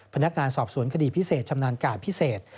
พนักงานสอบสวนคดีพิเศษชำนาญการพิเศษ